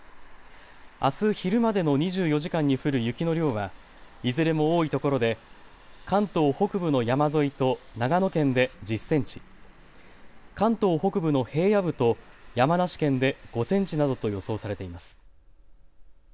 あす昼までの２４時間に降る雪の量はいずれも多いところで関東北部の山沿いと長野県で１０センチ、関東北部の平野部と山梨県で５センチなどと予想されています。